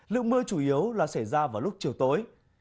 lượng mưa chủ yếu là xảy ra vào lúc chiều tối